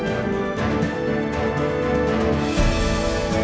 ini gede sekali